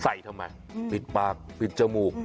ทำไมปิดปากปิดจมูก